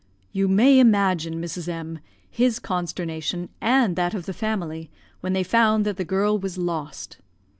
"You may imagine, Mrs. M , his consternation and that of the family, when they found that the girl was lost.